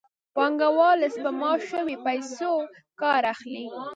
پانګوال له سپما شویو پیسو کار اخلي